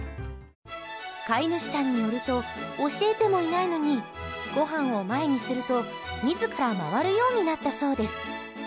飼い主さんによると教えてもいないのにごはんを前にすると自ら回るようになったそうです。